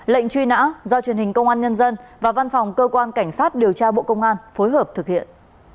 lệnh truy nã do truyền hình công an nhân dân và văn phòng cơ quan cảnh sát điều tra bộ công an phối hợp thực hiện